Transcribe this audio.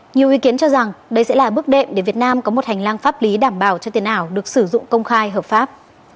nhiều ý kiến cho rằng đây sẽ là bước đệm để việt nam có một hành lang pháp lý đảm bảo cho tiền ảo được sử dụng công khai hợp pháp